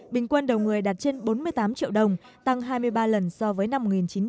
bình quân đầu người đạt trên bốn mươi tám triệu đồng tăng hai mươi ba lần so với năm một nghìn chín trăm chín mươi